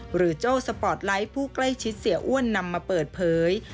โจ้สปอร์ตไลท์ผู้ใกล้ชิดเสียอ้วนนำมาเปิดเผย